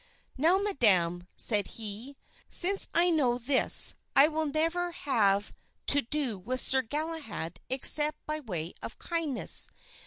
"Now, madam," said he, "since I know this I will never have to do with Sir Galahad except by way of kindness.